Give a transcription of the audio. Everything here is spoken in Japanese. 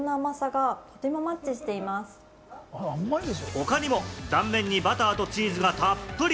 他にも断面にバターとチーズがたっぷり！